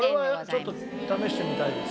これはちょっと試してみたいです。